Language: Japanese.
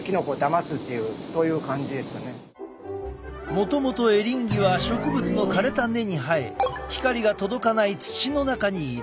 もともとエリンギは植物の枯れた根に生え光が届かない土の中にいる。